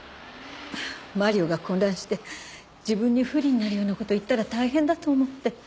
マリオが混乱して自分に不利になるような事言ったら大変だと思って。